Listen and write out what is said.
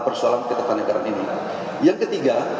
persoalan ketekan negara ini yang ketiga